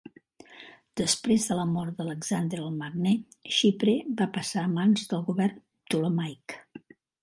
Després de la mort d'Alexandre el Magne, Xipre va passar a mans del govern Ptolemaic.